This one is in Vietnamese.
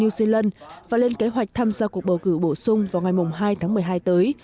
new zealand và lên kế hoạch tham gia cuộc bầu cử bổ sung vào ngày hai tháng một mươi hai tới